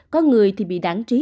có người thì bị đáng trí